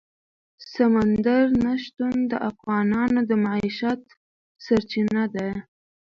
سمندر نه شتون د افغانانو د معیشت سرچینه ده.